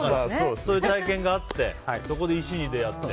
そういう体験があってそこで石に出会って。